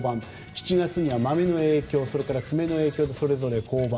７月には、まめの影響それから爪の影響でそれぞれ降板。